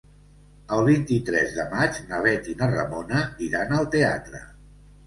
El vint-i-tres de maig na Bet i na Ramona iran al teatre.